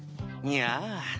いや。